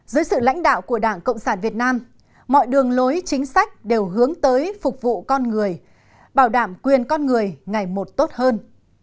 dưới sự lãnh đạo của đảng cộng sản việt nam mọi đường lối chính sách đều hướng tới phục vụ con người bảo đảm quyền con người ngày một tốt hơn